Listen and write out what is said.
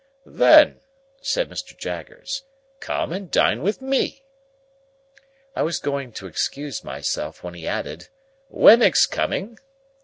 "Then," said Mr. Jaggers, "come and dine with me." I was going to excuse myself, when he added, "Wemmick's coming."